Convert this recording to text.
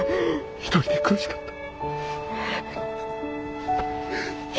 １人で苦しかったね。